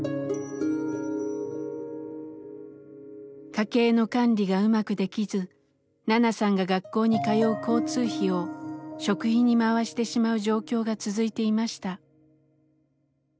家計の管理がうまくできずナナさんが学校に通う交通費を食費に回してしまう状況が続いていました。